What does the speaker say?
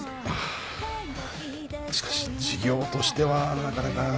しかし事業としてはなかなか。